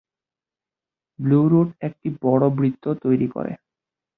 Blue root একটি বড় বৃত্ত তৈরি করে।